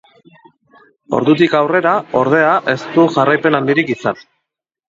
Ordutik aurrera ordea ez du jarraipen handirik izan.